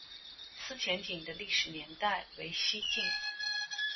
思前井的历史年代为西晋。